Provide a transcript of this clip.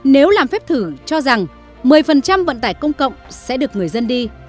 nếu làm phép thử cho rằng một mươi vận tải công cộng sẽ được người dân đi